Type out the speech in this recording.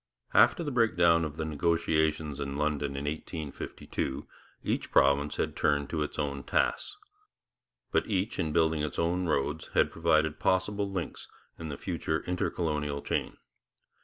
After the breakdown of the negotiations in London in 1852, each province had turned to its own tasks. But each in building its own roads had provided possible links in the future Intercolonial chain.